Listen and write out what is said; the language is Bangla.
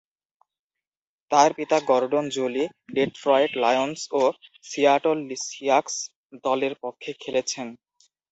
তাঁর পিতা গর্ডন জোলি ডেট্রয়েট লায়ন্স ও সিয়াটল সিয়াক্স দলের পক্ষে খেলেছেন।